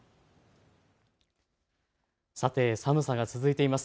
さて寒さが続いています。